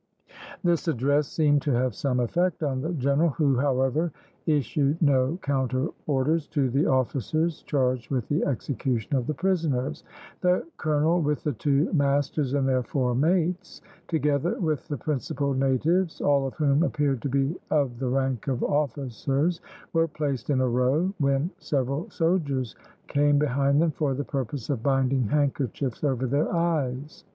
This address seemed to have some effect on the general, who, however, issued no counter orders to the officers charged with the execution of the prisoners. The colonel, with the two masters and their four mates, together with the principal natives (all of whom appeared to be of the rank of officers) were placed in a row, when several soldiers came behind them for the purpose of binding handkerchiefs over their eyes.